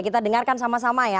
kita dengarkan sama sama ya